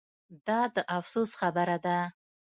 دا د افسوس خبره ده